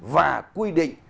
và quy định